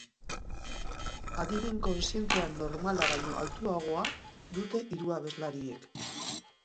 Adimen-kozientea normala baino altuagoa dute hiru abeslariek.